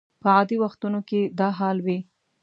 په عادي وختونو کې دا حال وي.